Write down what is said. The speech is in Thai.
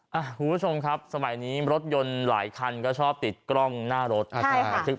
คุณผู้ชมครับสมัยนี้รถยนต์หลายคันก็ชอบติดกล้องหน้ารถนะครับ